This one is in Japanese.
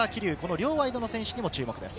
両ワイドの選手に注目です。